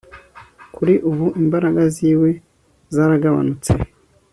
Kuri ubu imbaraga ziwe zaragabanutse